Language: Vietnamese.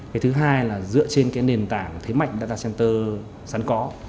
hướng thứ hai là dựa trên nền tảng thế mạnh data center sẵn có